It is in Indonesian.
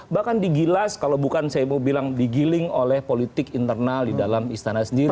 bahkan digilas kalau bukan saya mau bilang digiling oleh politik internal di dalam istana sendiri